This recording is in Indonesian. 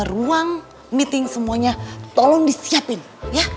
ruang meeting semuanya tolong disiapin ya